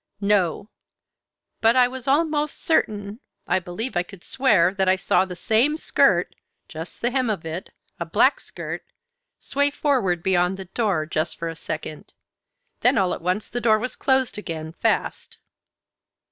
"No; but I was almost certain, I believe I could swear that I saw the same skirt, just the hem of it, a black skirt, sway forward beyond the door, just for a second. Then all at once the door was closed again fast."